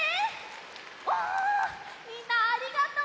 わあみんなありがとう！